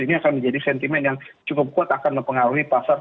ini akan menjadi sentimen yang cukup kuat akan mempengaruhi pasar